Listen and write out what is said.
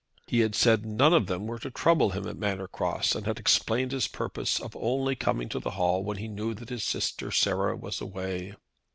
He had said none of them were to trouble him at Manor Cross, and had explained his purpose, of only coming to the Hall when he knew that his sister Sarah was away.